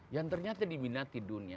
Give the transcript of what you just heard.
yang ternyata diminati dunia